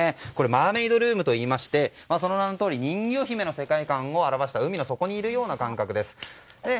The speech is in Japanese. マーメイドルームといってその名のとおり人魚姫の世界観を表した海の底にいるような感覚です。